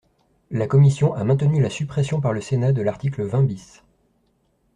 La commission a maintenu la suppression par le Sénat de l’article vingt bis.